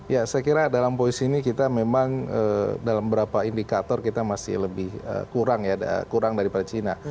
ya saya kira dalam posisi ini kita memang dalam beberapa indikator kita masih lebih kurang ya kurang daripada cina